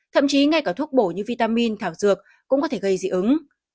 thậm chí ngay cả thuốc bổ như vitamin thảo dược cũng có thể gây dị ứng